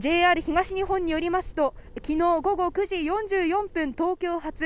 ＪＲ東日本によりますと昨日午後９時４４分東京発